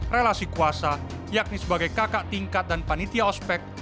relasi kuasa yakni sebagai kakak tingkat dan panitia ospek